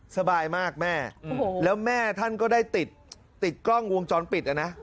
สบายมากแม่แล้วแม่ท่านก็ได้ติดติดกล้องวงจรปิดนะ